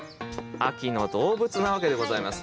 秋の動物なわけでございます。